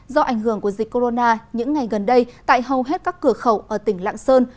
do ảnh hưởng của dịch corona những ngày gần đây tại hầu hết các cửa khẩu ở tỉnh lạng sơn